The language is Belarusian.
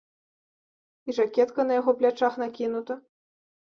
І жакетка на яго плячах накінута.